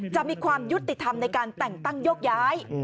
จะมีความยุติธรรมในการแต่งตั้งโยกย้าย